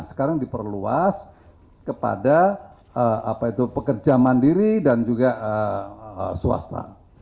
sekarang diperluas kepada pekerja mandiri dan juga swasta